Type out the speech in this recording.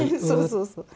そうそうそう。